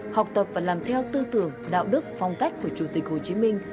học tập và làm theo tư tưởng đạo đức phong cách của chủ tịch hồ chí minh